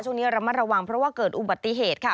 ช่วงนี้ระมัดระวังเพราะว่าเกิดอุบัติเหตุค่ะ